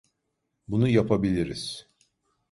Bunu yapabiliriz.